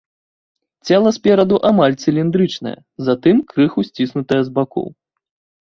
Цела спераду амаль цыліндрычнае, затым крыху сціснутае з бакоў.